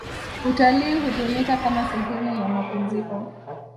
utalii hutumika kama sehemu ya mapumziko